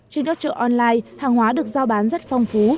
trên các chợ online hàng hóa được giao bán rất phong phú